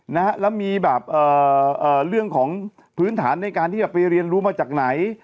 นะฮะแล้วมีแบบเอ่อเรื่องของพื้นฐานในการที่จะไปเรียนรู้มาจากไหน